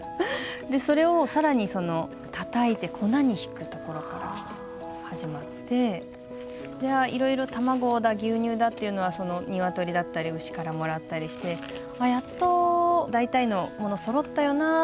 でそれを更にたたいて粉にひくところから始まっていろいろ卵だ牛乳だっていうのは鶏だったり牛からもらったりしてやっと大体のものそろったよなって思ったらバターも作る。